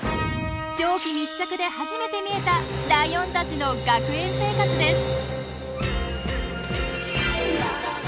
長期密着で初めて見えたライオンたちの学園生活です。